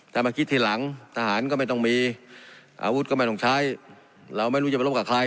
ถ้ามาคิดทีหลังทหารก็ไม่ต้องมีอาวุธก็ไม่ต้องใช้เราไม่รู้จะไปรบกับใคร